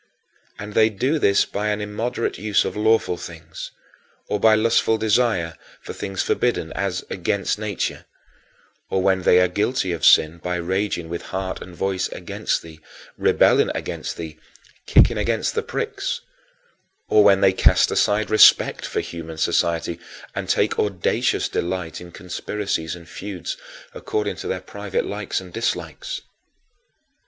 And they do this by an immoderate use of lawful things; or by lustful desire for things forbidden, as "against nature"; or when they are guilty of sin by raging with heart and voice against thee, rebelling against thee, "kicking against the pricks"; or when they cast aside respect for human society and take audacious delight in conspiracies and feuds according to their private likes and dislikes.